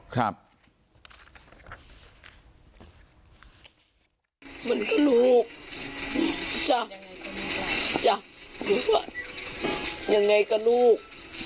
มันก็ลูกจับจับยังไงก็ลูก